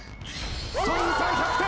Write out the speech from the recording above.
ソニンさん１００点。